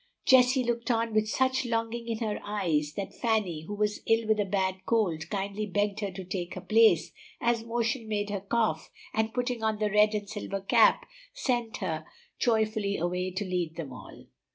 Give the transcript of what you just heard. Jessie looked on with such longing in her eyes that Fanny, who was ill with a bad cold, kindly begged her to take her place, as motion made her cough, and putting on the red and silver cap sent her joyfully away to lead them all.